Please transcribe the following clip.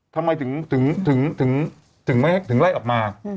ทำไมถึงไล่ออกมา